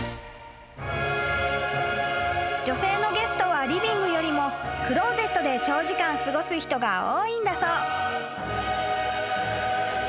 ［女性のゲストはリビングよりもクローゼットで長時間過ごす人が多いんだそう］